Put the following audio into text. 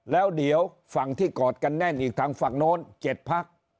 แล้วเดี๋ยวฝั่งที่กอดกันแน่นอีกทางฝั่งโน้น๗พัก